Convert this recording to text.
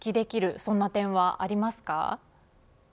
そんな点はありますか。